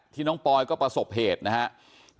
น้องปอยก็ประสบเหตุนะครับ